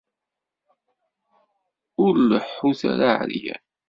Ur leḥḥut ara εeryan.